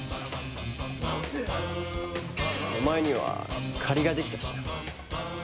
お前には借りができたしな。